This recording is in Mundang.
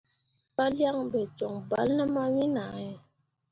Palyaŋ ɓe joŋ bal ne mawin ahe.